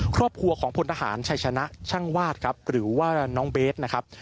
ครอบครัวของพลทหารชัยชนะช่างวาดครับหรือว่าน้องเบสนะครับ